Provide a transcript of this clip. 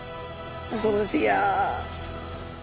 恐ろしや。